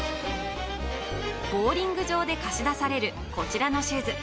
ボウリング場で貸し出されるこちらのシューズ